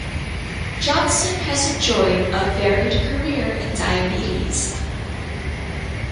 Johnson has enjoyed a varied career in diabetes.